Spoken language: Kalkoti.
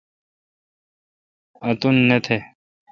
اُنت نہ تہ۔